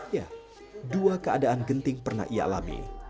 ya dua keadaan genting pernah ia alami